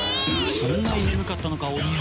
そんなに眠かったのかオニよ。